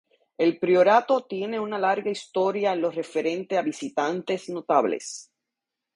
El priorato tiene una larga historia en lo referente a visitantes notables.